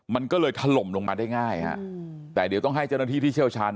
มันก็เลยถล่มลงมาได้ง่ายฮะแต่เดี๋ยวต้องให้เจ้าหน้าที่ที่เชี่ยวชาญ